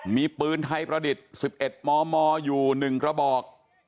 มีปืนไทยประดิษฐ์๑๑มมอยู่๑กระบอก